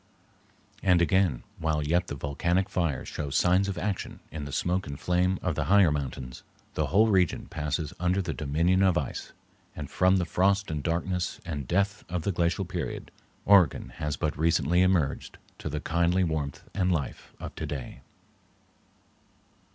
And again, while yet the volcanic fires show signs of action in the smoke and flame of the higher mountains, the whole region passes under the dominion of ice, and from the frost and darkness and death of the Glacial Period, Oregon has but recently emerged to the kindly warmth and life of today.